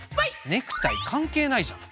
ネクタイかんけいないじゃん。